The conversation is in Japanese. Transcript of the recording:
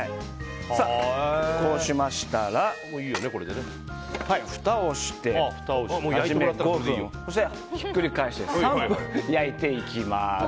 こうしましたらふたをして５分ひっくり返して３分焼いていきます。